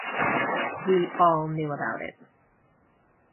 We all knew about it.